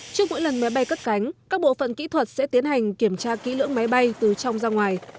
trước mỗi lần máy bay cất cánh các bộ phận kỹ thuật sẽ tiến hành kiểm tra kỹ lưỡng máy bay từ trong ra ngoài